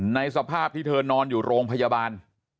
สภาพที่เธอนอนอยู่โรงพยาบาล